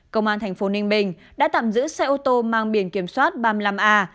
công an tp ninh bình đã tạm giữ xe ô tô mang biển kiểm soát ba mươi năm a hai mươi hai nghìn hai trăm chín mươi